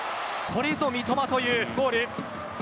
これぞ三笘というゴール。